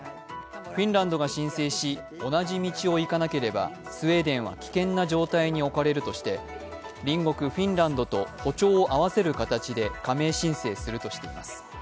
フィンランドが申請し、同じ道をいかなければスウェーデンは危険な状態に置かれるとして隣国フィンランドと歩調を合わせる形で加盟申請するとしています。